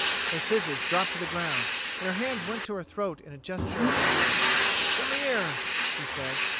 Her scissors dropped to the ground and her hands went to her throat in a gesture of alarm. "Come here," he said.